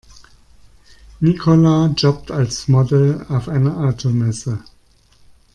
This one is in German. Nicola jobbt als Model auf einer Automesse.